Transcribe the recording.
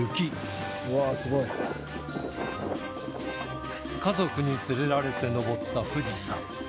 「うわすごい」家族に連れられて登った富士山